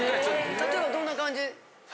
例えばどんな感じ？